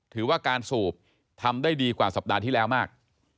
ถือว่าการสูบทำได้ดีกว่าสัปดาห์ที่แล้วมาก